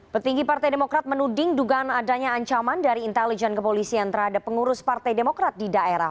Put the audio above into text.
petinggi partai demokrat menuding dugaan adanya ancaman dari intelijen kepolisian terhadap pengurus partai demokrat di daerah